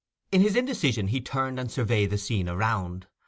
In his indecision he turned and surveyed the scene around.